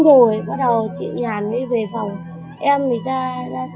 rồi em thắng đã gọi danh nhắn của anh văn trọng lên công hàng